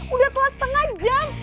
udah keluar setengah jam